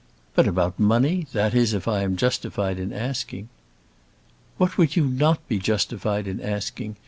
"But about money? That is if I am justified in asking." "What would you not be justified in asking?